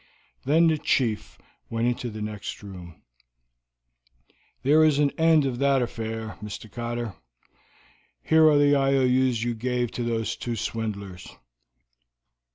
Then the chief went into the next room. "There is an end of that affair, Mr. Cotter. Here are the IOUs you gave to those two swindlers.